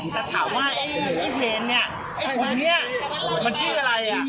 แต่ถามว่าไอ้พี่เวรเนี่ยคนเนี่ยมันชื่ออะไรอ่ะ